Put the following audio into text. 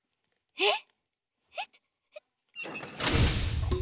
えっ！？